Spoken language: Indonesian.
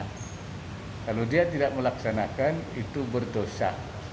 kalau dia tidak melaksanakan itu berdosa